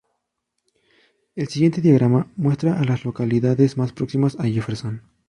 El siguiente diagrama muestra a las localidades más próximas a Jefferson.